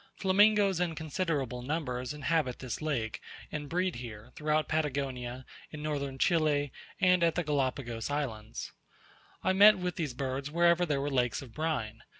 Flamingoes in considerable numbers inhabit this lake, and breed here, throughout Patagonia, in Northern Chile, and at the Galapagos Islands, I met with these birds wherever there were lakes of brine.